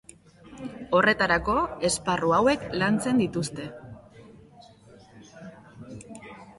Horretarako esparru hauek lantzen dituzte.